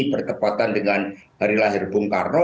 bertepatan dengan hari lahir bung karno